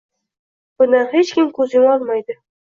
Bundan hech kim ko‘z yuma olmaydi.